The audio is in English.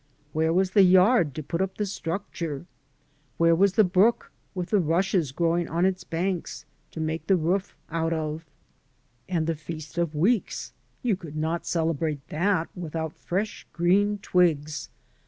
Where was the yard to put up the structure? Where was the brook with the rushes growing on its banks to make the roof out of? And the Feast of Weeks, you could not celebrate that without fresh green twigs.